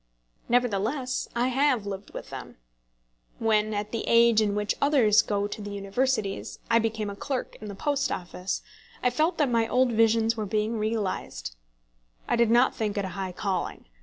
Nevertheless I have lived with them. When, at the age in which others go to the universities, I became a clerk in the Post Office, I felt that my old visions were being realised. I did not think it a high calling.